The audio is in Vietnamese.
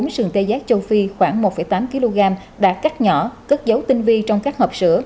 bốn sừng tê giác châu phi khoảng một tám kg đã cắt nhỏ cất dấu tinh vi trong các hộp sữa